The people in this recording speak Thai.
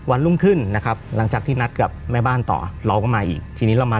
รุ่งขึ้นนะครับหลังจากที่นัดกับแม่บ้านต่อเราก็มาอีกทีนี้เรามา